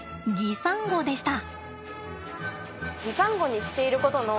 擬サンゴでした。